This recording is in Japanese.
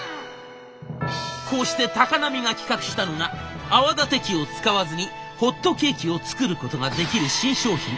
こうして高波が企画したのが泡立て器を使わずにホットケーキを作ることができる新商品。